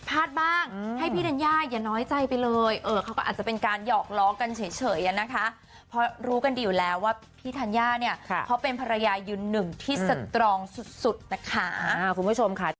พี่ธัญญาเนี่ยค่ะเขาเป็นภรรยายืนหนึ่งที่สตรองสุดสุดนะคะอ่าคุณผู้ชมค่ะ